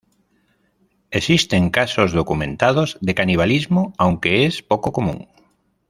Existen casos documentados de canibalismo, aunque es poco común.